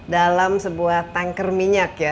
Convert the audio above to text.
dalam sebuah tanker minyak